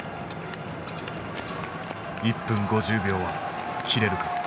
１分５０秒は切れるか。